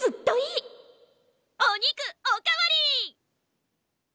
お肉お代わり！